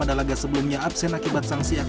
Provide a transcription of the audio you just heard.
dan semua orang lain baik baik saja